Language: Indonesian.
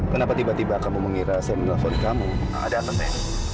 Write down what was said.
kenapa aneh sekali